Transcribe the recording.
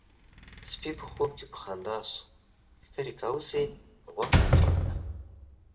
سپي په خوب کې په خندا شو، فکر يې کاوه چې غوښه خوړله.